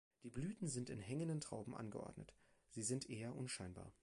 Die Blüten sind in hängenden Trauben angeordnet, sie sind eher unscheinbar.